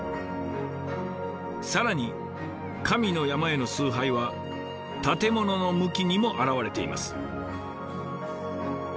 更に神の山への崇拝は建物の向きにも表れています。